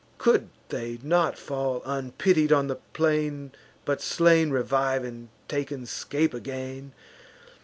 Could they not fall unpitied on the plain, But slain revive, and, taken, scape again?